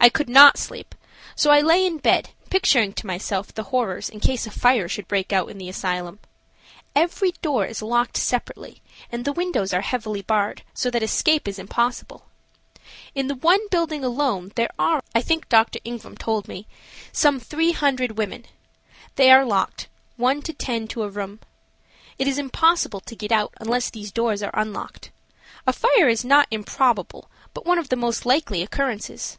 I could not sleep, so I lay in bed picturing to myself the horrors in case a fire should break out in the asylum. Every door is locked separately and the windows are heavily barred, so that escape is impossible. In the one building alone there are, I think Dr. Ingram told me, some three hundred women. They are locked, one to ten to a room. It is impossible to get out unless these doors are unlocked. A fire is not improbable, but one of the most likely occurrences.